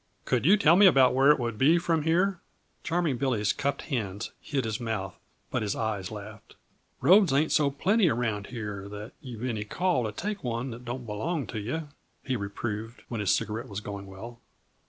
Could you tell me about where it would be from here?" Charming Billy's cupped hands hid his mouth, but his eyes laughed. "Roads ain't so plenty around here that you've any call to take one that don't belong to yuh," he reproved, when his cigarette was going well.